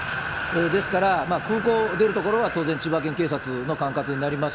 ですから、空港を出るところは当然、千葉県警察の管轄になります。